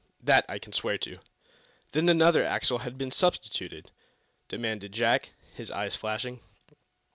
That I can swear to." "Then another axle has been substituted?" demanded Jack, his eyes flashing.